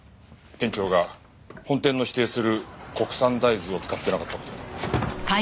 店長が本店の指定する国産大豆を使ってなかった事に。